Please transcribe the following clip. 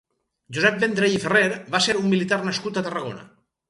Josep Vendrell i Ferrer va ser un militar nascut a Tarragona.